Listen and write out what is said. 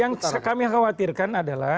yang kami khawatirkan adalah